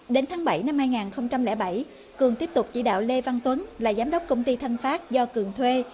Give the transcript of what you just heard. đến tháng bảy năm hai nghìn bảy cường tiếp tục chỉ đạo lê văn tuấn là giám đốc công ty thanh phát do cường thuê